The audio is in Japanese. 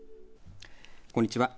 こんにちは。